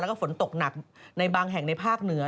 แล้วก็ฝนตกหนักในบางแห่งในภาคเหนือ